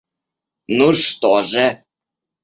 Ну что же?